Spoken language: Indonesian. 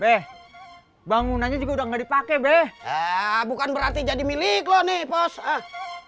beh bangunannya juga udah nggak dipakai beh ah bukan berarti jadi milik lo nih posah